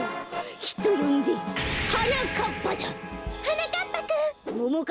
ひとよんではなかっぱだ！はなかっぱくん。